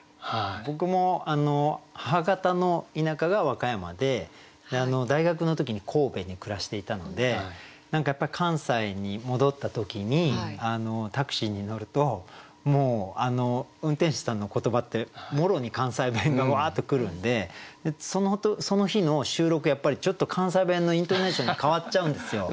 僕も母方の田舎が和歌山で大学の時に神戸に暮らしていたのでやっぱり関西に戻った時にタクシーに乗るともう運転手さんの言葉ってもろに関西弁がわあっと来るんでその日の収録やっぱりちょっと関西弁のイントネーションに変わっちゃうんですよ。